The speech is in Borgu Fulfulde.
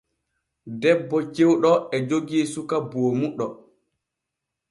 Debbo cewɗo e jogii suka boomuɗo.